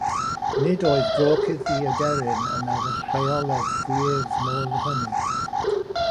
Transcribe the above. Nid oedd gorchudd i aderyn yn y lleoedd gwyrdd moel hynny.